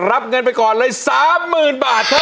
รับเงินไปก่อนเลยสามหมื่นบาทครับ